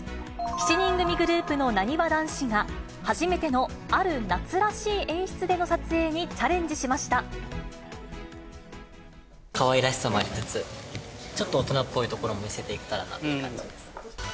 ７人組グループのなにわ男子が、初めてのある夏らしい演出での撮かわいらしさもありつつ、ちょっと大人っぽいところも見せていけたらなっていう感じです。